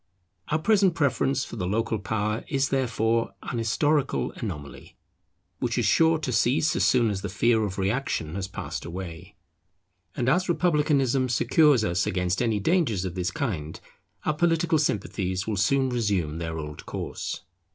Our present preference for the local power is therefore an historical anomaly, which is sure to cease as soon as the fear of reaction has passed away. And as Republicanism secures us against any dangers of this kind, our political sympathies will soon resume their old course.